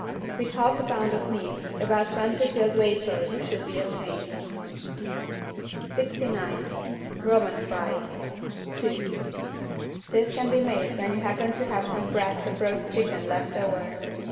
With half a pound of meat about twenty filled wafers should be obtained. 69 ROMAN FRY II. This can be made when you happen to have some breast of roast chicken left over.